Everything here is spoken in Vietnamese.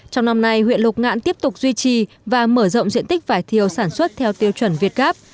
trong năm nay huyện lục ngạn tiếp tục duy trì và mở rộng diện tích vải thiều sản xuất theo tiêu chuẩn việt gáp